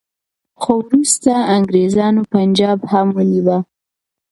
خو وروسته انګریزانو پنجاب هم ونیو.